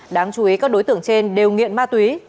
đáng chú ý các đối tượng trên đều nghiện ma túy